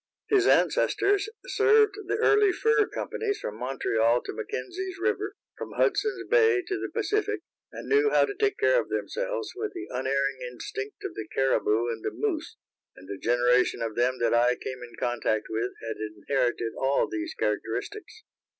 His ancestors served the early fur companies from Montreal to McKenzie's river, from Hudson's bay to the Pacific, and knew how to take care of themselves with the unerring instinct of the cariboo and the moose, and the generation of them that I came in contact with had inherited all these characteristics.